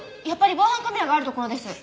やっぱり防犯カメラがあるところです。